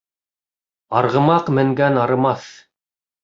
Арғымаҡ менгән арымаҫ.